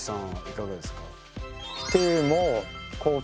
いかがですか？